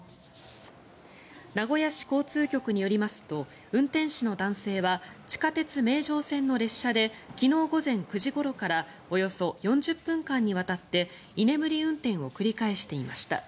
名古屋市交通局によりますと運転士の男性は地下鉄名城線の列車で昨日午前９時ごろからおよそ４０分間にわたって居眠り運転を繰り返していました。